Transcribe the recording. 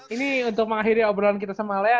ini untuk mengakhiri obrolan kita sama layar